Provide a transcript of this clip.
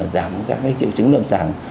giảm các cái triệu chứng lâm sàng